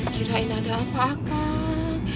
kirain ada apa akang